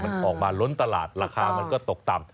มันออกมาล้นตลาดราคามันก็ตกต่ำ